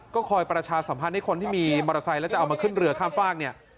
ก็คอยประชาสัมพันธ์ให้คนที่มีมอเตอร์ไซค์แล้วจะเอามาขึ้นเรือข้ามฝากเนี่ย